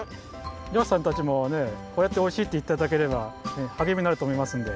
りょうしさんたちもねこうやって「おいしい」っていっていただければはげみになるとおもいますので。